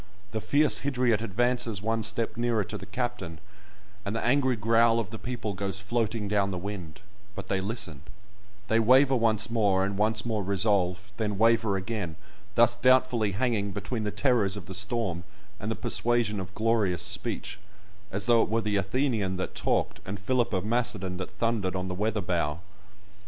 The fierce Hydriot advances one step nearer to the captain, and the angry growl of the people goes floating down the wind, but they listen; they waver once more, and once more resolve, then waver again, thus doubtfully hanging between the terrors of the storm and the persuasion of glorious speech, as though it were the Athenian that talked, and Philip of Macedon that thundered on the weather bow.